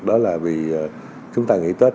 đó là vì chúng ta nghỉ tết